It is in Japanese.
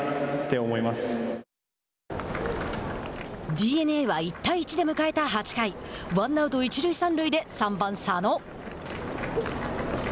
ＤｅＮＡは１対１で迎えた８回ワンアウト、一塁三塁で３番佐野。